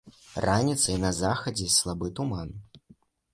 Раніцай на захадзе слабы туман.